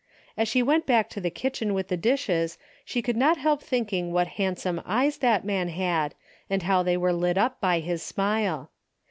As she went back to the kitchen with the dishes, she could not help thinking what handsome eyes that man had, and how they were lit up by his smile.